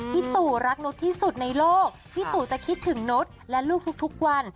พี่ตู่รักนุษย์ที่สุดในโลกพี่ตู่จะคิดถึงนุษย์และลูกทุกวัน